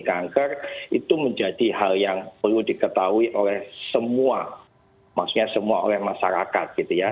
kanker itu menjadi hal yang perlu diketahui oleh semua maksudnya semua oleh masyarakat gitu ya